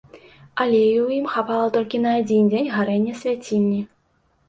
Алею ў ім хапала толькі на адзін дзень гарэння свяцільні.